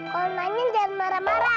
kau nanya jangan marah marah